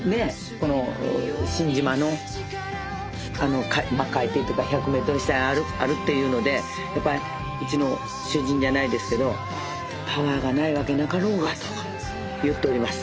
この新島の海底っていうか１００メートル下にあるっていうのでやっぱりうちの主人じゃないですけど「パワーがないわけなかろうが」と言っております。